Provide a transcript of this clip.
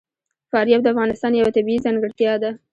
فاریاب د افغانستان یوه طبیعي ځانګړتیا ده.